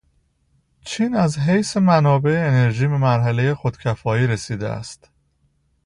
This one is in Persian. چین از حیث منابع انرژی به مرحلهُ خود کفایتی رسیده است.